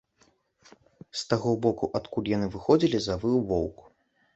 З таго боку, адкуль яны выходзілі, завыў воўк.